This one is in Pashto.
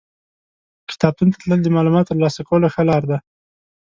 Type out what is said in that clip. کتابتون ته تلل د معلوماتو ترلاسه کولو ښه لار ده.